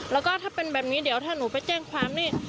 แล้วก็ถ้าเป็นแบบนี้เดี๋ยวถ้าหนูไปแจ้งความนี่